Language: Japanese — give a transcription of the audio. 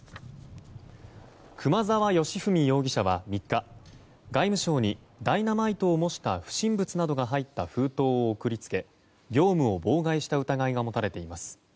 熊澤良文容疑者は３日外務省にダイナマイトを模した不審物などが入った封筒を送り付け業務を妨害した疑いが持たれています。